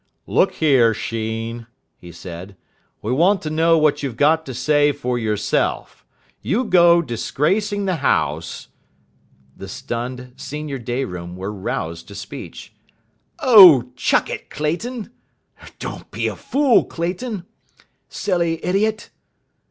"Look here, Sheen," he said, "we want to know what you've got to say for yourself. You go disgracing the house " The stunned senior day room were roused to speech. "Oh, chuck it, Clayton." "Don't be a fool, Clayton." "Silly idiot!"